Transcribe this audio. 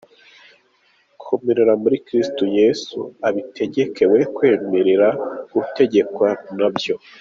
Komerera muri Kristo Yesu, ubitegeke we kwemera gutegekwa na byo.